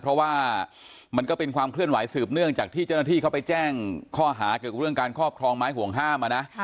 เพราะว่ามันก็เป็นความเคลื่อนไหวสืบเนื่องจากที่เจ้าหน้าที่เขาไปแจ้งข้อหาเกี่ยวกับเรื่องการครอบครองไม้ห่วงห้าม